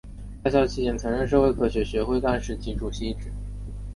在校期间曾任社会科学学会干事及主席一职。